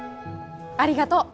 ありがとう！